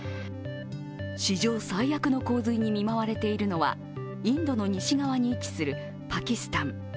史上最悪の洪水に見舞われているのは、インドの西側に位置するパキスタン。